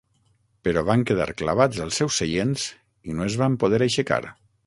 Però van quedar clavats als seus seients i no es van poder aixecar.